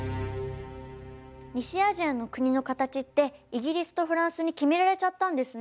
西アジアの国の形ってイギリスとフランスに決められちゃったんですね。